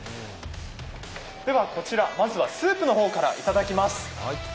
ではこちら、まずはスープの方からいただきます。